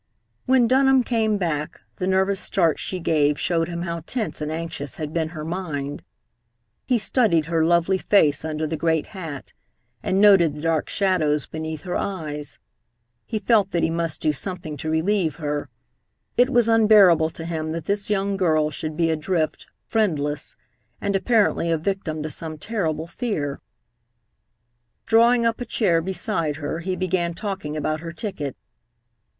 When Dunham came back, the nervous start she gave showed him how tense and anxious had been her mind. He studied her lovely face under the great hat, and noted the dark shadows beneath her eyes. He felt that he must do something to relieve her. It was unbearable to him that this young girl should be adrift, friendless, and apparently a victim to some terrible fear. Drawing up a chair beside her, he began talking about her ticket.